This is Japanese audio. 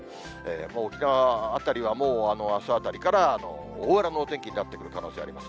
もう沖縄辺りはもう、あすあたりから大荒れのお天気になってくる可能性があります。